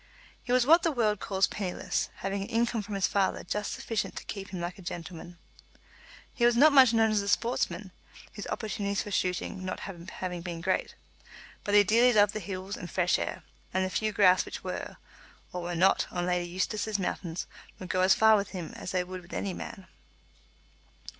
He was what the world calls penniless, having an income from his father just sufficient to keep him like a gentleman. He was not much known as a sportsman, his opportunities for shooting not having been great; but he dearly loved the hills and fresh air, and the few grouse which were, or were not, on Lady Eustace's mountains would go as far with him as they would with any man.